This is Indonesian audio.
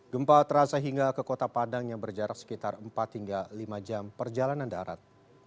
gempa terasa hingga ke kota padang yang berjarak sekitar empat hingga lima jam perjalanan darat